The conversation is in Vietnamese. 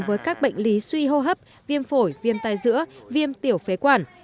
với các bệnh lý suy hô hấp viêm phổi viêm tai giữa viêm tiểu phế quản